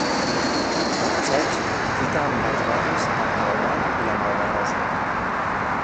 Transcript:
El passeig fita amb els barris del Cabanyal i la Malva-rosa.